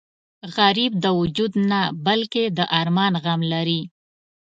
غریب د وجود نه بلکې د ارمان غم لري